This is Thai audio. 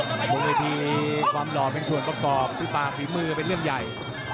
บนเวทีความหล่อเป็นส่วนประกอบพี่ป่าฝีมือเป็นเรื่องใหญ่